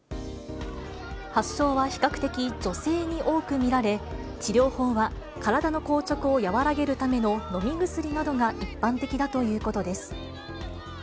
発症は比較的女性に多く見られ、治療法は体の硬直をやわらげるための飲み薬などが一般的だということです。